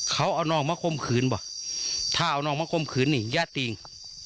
เขาเอาน้องมาคมคืนว่ะถ้าเอาน้องมาข่มขืนนี่ญาติจริง